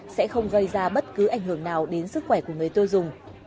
sẽ không gây ra bất cứ ảnh hưởng nào đến sức khỏe của người tiêu dùng